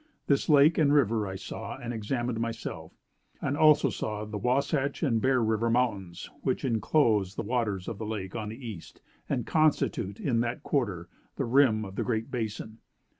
This lake and river I saw and examined myself; and also saw the Wahsatch and Bear River Mountains which inclose the waters of the lake on the east, and constitute, in that quarter, the rim of the Great Basin.